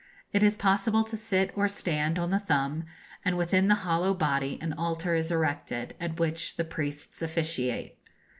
It is possible to sit or stand on the thumb, and within the hollow body an altar is erected, at which the priests officiate.